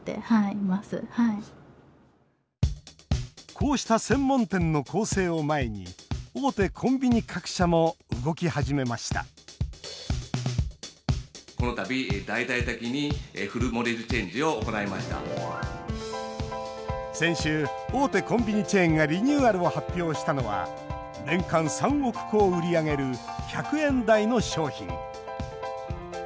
こうした専門店の攻勢を前に大手コンビニ各社も動き始めました先週、大手コンビニチェーンがリニューアルを発表したのは年間３億個を売り上げる１００円台の商品。